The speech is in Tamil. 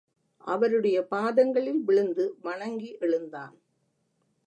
அவருடைய பாதங்களில் விழுந்து வணங்கி எழுந்தான்.